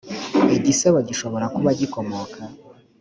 igisebo gishobora kuba gikomoka